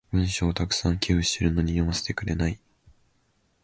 文章を沢山寄付してるのに読ませてくれない。